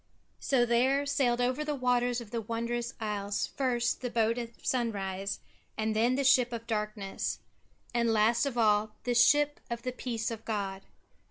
So there sailed over the waters of the wondrous isles first the boat of sunrise and then the ship of darkness, and last of all the ship of the Peace of God.